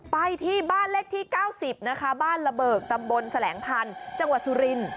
ไปที่บ้านเล็กที่๙๐บ้านระเบิกตำบลแสลงพันธ์จังหวัดสุริน